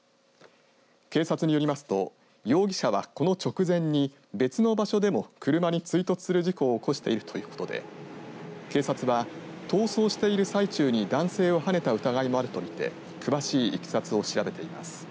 警察によりますと容疑者はこの直前に別の場所でも車に追突する事故を起こしているということで警察は逃走している最中に男性をはねた疑いもあると見て詳しいいきさつを調べています。